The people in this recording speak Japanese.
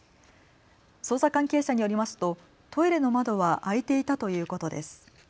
捜査関係者によりますとトイレの窓は開いていたということです。